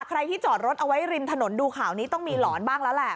ใครที่จอดรถเอาไว้ริมถนนดูข่าวนี้ต้องมีหลอนบ้างแล้วแหละ